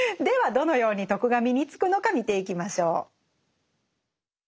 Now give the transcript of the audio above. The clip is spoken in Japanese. どのように「徳」が身につくのか見ていきましょう。